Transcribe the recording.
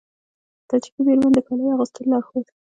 د تاجیکي میرمنو د کالیو اغوستلو لارښود